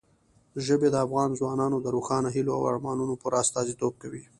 ژبې د افغان ځوانانو د روښانه هیلو او ارمانونو پوره استازیتوب کوي.